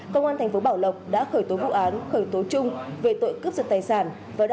cơ quan thành phố bảo lộc đã khởi tố vụ án khởi tố trung về tội cướp giật tài sản